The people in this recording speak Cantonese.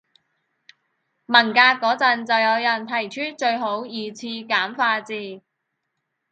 文革嗰陣就有人提出最好二次簡化字